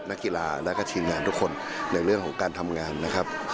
นักกีฬาและก็ทีมงานทุกคนในเรื่องของการทำงานนะครับ